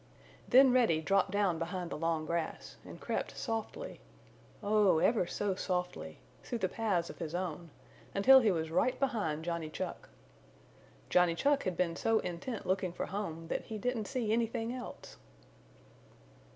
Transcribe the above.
Then Reddy dropped down behind the long grass and crept softly, oh, ever so softly, through the paths of his own, until he was right behind Johnny Chuck. Johnny Chuck had been so intent looking for home that he didn't see anything else.